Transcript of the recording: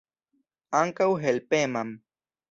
Ankaŭ helpeman.